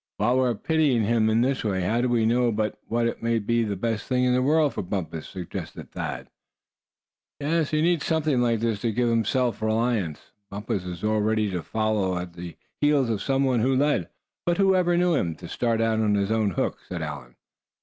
"While we're pitying him in this way, how do we know but what it may be the best thing in the world for Bumpus," suggested Thad. "Yes, he needs something like this to give him self reliance. Bumpus was always ready to follow at the heels of some one who led; but who ever knew him to start out on his own hook?" said Allan.